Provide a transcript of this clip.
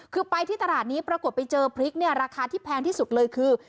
คือไปที่ตลาดนี้ปรากฏไปเจอพริกเนี่ยราคาที่แพงที่สุดเลยคือ